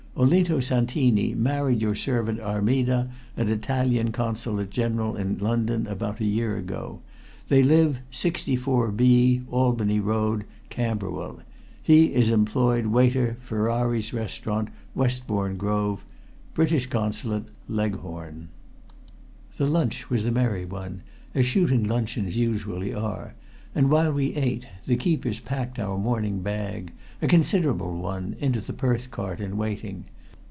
Olinto Santini married your servant Armida at Italian Consulate General in London about a year ago. They live 64B, Albany Road, Camberwell: he is employed waiter Ferrari's Restaurant, Westbourne Grove. British Consulate, Leghorn"_ The lunch was a merry one, as shooting luncheons usually are, and while we ate the keepers packed our morning bag a considerable one into the Perth cart in waiting.